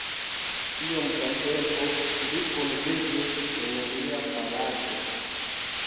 Iom da tempo ili kunvivis en lia palaco.